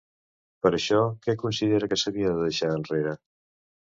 Per això, què considera que s'havia de deixar enrere?